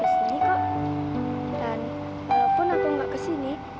dan walaupun aku gak kesini